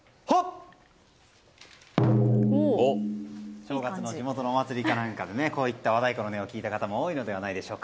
正月の地元のお祭りなどでこういった和太鼓の音を聞いた方も多いんじゃないんでしょうか。